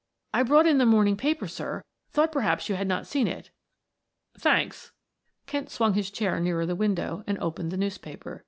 "I brought in the morning paper, sir; thought perhaps you had not seen it." "Thanks." Kent swung his chair nearer the window and opened the newspaper.